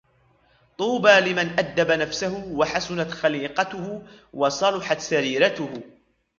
طُوبَى لِمَنْ أَدَّبَ نَفْسَهُ وَحَسُنَتْ خَلِيقَتُهُ ، وَصَلُحَتْ سَرِيرَتُهُ